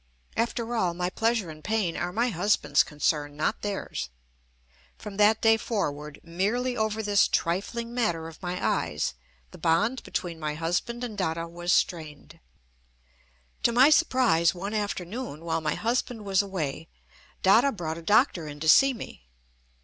After all, my pleasure and pain are my husband's concern, not theirs. From that day forward, merely over this trifling matter of my eyes, the bond between my husband and Dada was strained. To my surprise one afternoon, while my husband was away, Dada brought a doctor in to see me.